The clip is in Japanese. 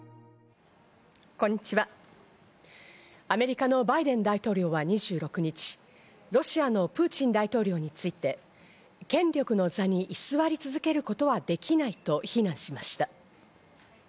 アメリカのバイデン大統領は２６日、ロシアのプーチン大統領について、権力の座に居座り続けることはできないと非難しました。